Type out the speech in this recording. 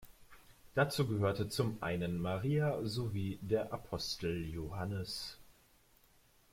Dazu gehörte zum einen Maria sowie der Apostel Johannes.